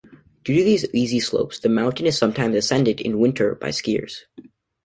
Due to these easy slopes, the mountain is sometimes ascended in winter by skiers.